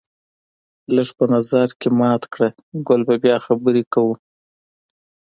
لږ په نظر کې مات کړه ګل بیا به خبرې کوو